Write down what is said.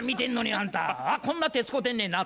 「あっこんな手使うてんねんな」。